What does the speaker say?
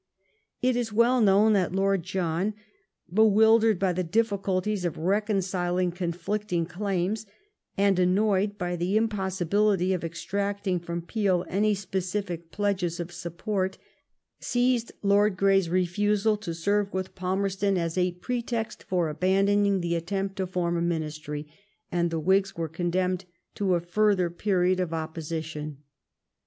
It IS well known that Lord John, bewildered by the di£Seulties of reconciling conflicting claims, and an noyed at tbe impossibility of extracting from Peel any specific pledges of support, seized Lord Grey's re fusal to serve with Palmerston as a pretext for aban doning the attempt to form a ministry, and the Whigs were condemned to a further period of opposition.